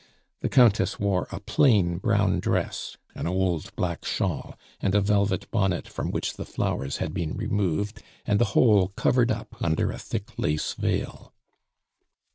The Countess wore a plain brown dress, an old black shawl, and a velvet bonnet from which the flowers had been removed, and the whole covered up under a thick lace veil.